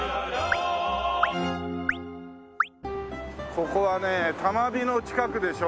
ここはね多摩美の近くでしょ？